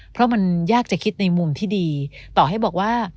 เพราะมันยากจะคิดในมุมที่ดีต่อให้บอกว่า